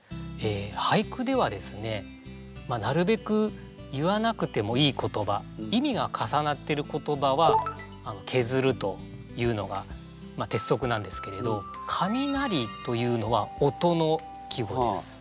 俳句ではですねなるべく言わなくてもいい言葉意味がかさなってる言葉はけずるというのが鉄則なんですけれど「かみなり」というのは音の季語です。